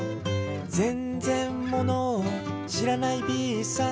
「ぜんぜんものを知らないＢさん」